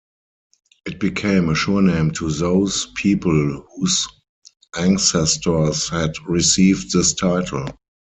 It became a surname to those people whose ancestors had received this title.